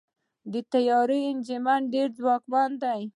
د طیارې انجن ډېر ځواکمن وي.